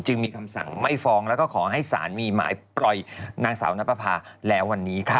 มีคำสั่งไม่ฟ้องแล้วก็ขอให้ศาลมีหมายปล่อยนางสาวนับประพาแล้ววันนี้ค่ะ